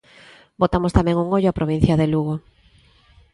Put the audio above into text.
Botamos tamén un ollo á provincia de Lugo.